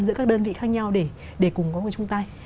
giữa các đơn vị khác nhau để cùng có người chung tay